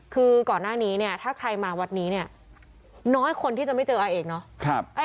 คือก่อนหน้านี้ถ้าใครมาวัดนี้น้อยคนที่จะไม่เจออาเอกเนอะ